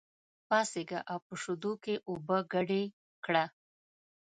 پاڅېږه او په شېدو کې اوبه ګډې کړه.